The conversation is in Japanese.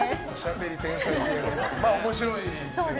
まあ、面白いですよね。